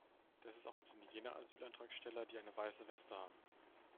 Das ist auch im Sinne jener Asylantragsteller, die eine weiße Weste haben.